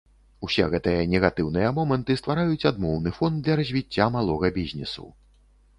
Усе гэтыя негатыўныя моманты ствараюць адмоўны фон для развіцця малога бізнесу.